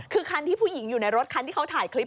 คือคันที่ผู้หญิงอยู่ในรถคันที่เขาถ่ายคลิป